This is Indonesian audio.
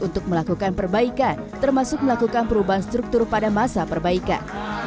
untuk melakukan perbaikan termasuk melakukan perubahan struktur pada masa perbaikan